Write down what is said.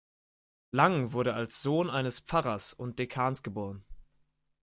Lang wurde als Sohn eines Pfarrers und Dekans geboren.